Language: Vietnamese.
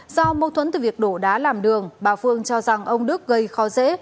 do mâu thuẫn từ việc đổ đá làm đường bà phương cho rằng ông đức gây khó dễ